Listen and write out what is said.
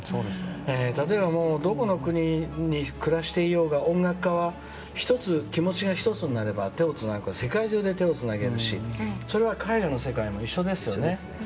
例えば、どこの国に暮らしていようが音楽家は気持ちが１つになれば世界中で手をつなげるしそれは絵画の世界も一緒ですね。